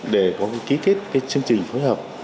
để có ký kết chương trình phối hợp